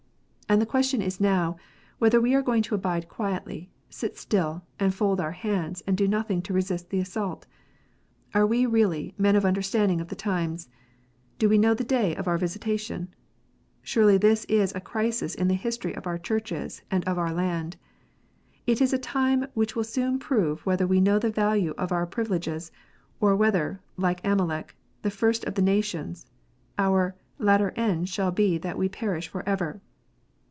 And the question is now, whether we are going to abide quietly, sit still, and fold our hands, and do nothing to resist the assault. Are we really men of understanding of the times 1 Do we know the day of our visitation 1 Surely this is a crisis in the history of our Churches and of our land. It is a time which will soon prove whether we know the value of our privi leges, or whether, like Amalek, "the first of the nations," our "latter end shall be that we perish for ever."